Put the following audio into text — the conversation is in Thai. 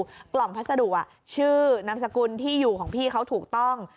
กล่องพัสดุชื่อนามสกุลที่อยู่ของพี่เขาถูกต้อง